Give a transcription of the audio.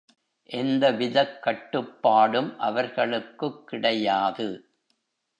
எந்தவிதக் கட்டுப்பாடும் அவர்களுக்குக் கிடையாது.